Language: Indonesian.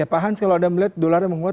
pak hans kalau anda melihat dolar yang menguat